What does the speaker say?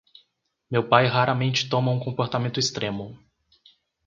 Meu pai raramente toma um comportamento extremo.